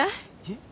えっ。